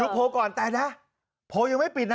โพลก่อนแต่นะโพลยังไม่ปิดนะ